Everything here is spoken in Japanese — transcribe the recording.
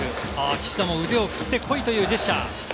岸田も腕を振ってこい！というジェスチャー。